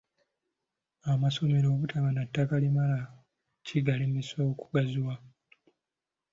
Amasomero obutaba na ttaka limala kigalemesa okugaziwa.